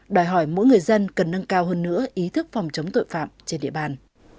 đòi hỏi mỗi người dân cần nâng cao hơn nữa ý thức phòng chống tội phạm trên địa bàn